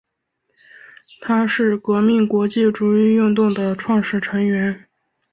它是革命国际主义运动的创始成员。